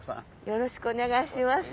よろしくお願いします。